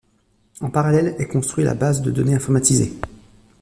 En parallèle est construit la base de donnée informatisée.